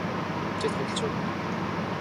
Чи тоглож байгаа байлгүй дээ.